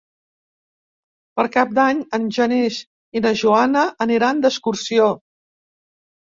Per Cap d'Any en Genís i na Joana aniran d'excursió.